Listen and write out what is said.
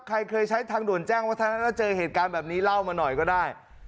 ใครเคยใช้ทางด่วนแจ้งวัฒนะแล้วเจอเหตุการณ์แบบนี้เล่ามาหน่อยก็ได้